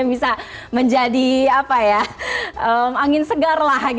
yang bisa menjadi angin segarlah